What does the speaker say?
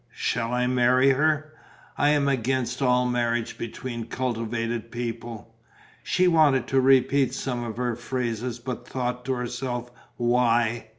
"Shall I marry her?" "I am against all marriage, between cultivated people." She wanted to repeat some of her phrases, but thought to herself, why?